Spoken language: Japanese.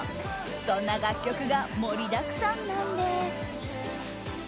そんな楽曲が盛りだくさんなんです。